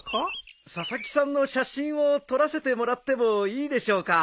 佐々木さんの写真を撮らせてもらってもいいでしょうか？